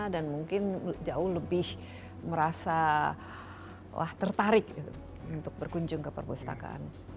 dan mungkin jauh lebih merasa tertarik untuk berkunjung ke perpustakaan